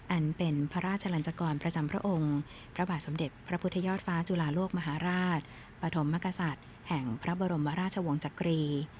อันเป็นพระราชลันจกรประจำพระองค์พระบาทสมเด็จพระพุทธยอดฟ้าจุลาโลกมหาราชปฐมมกษัตริย์แห่งพระบรมราชวงศ์จักรี